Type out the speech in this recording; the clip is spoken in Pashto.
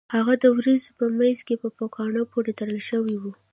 هغه د ورېځو په مینځ کې په پوکاڼو پورې تړل شوی و